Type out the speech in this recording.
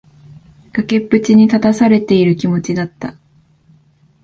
崖っぷちに立たされている気持ちだった。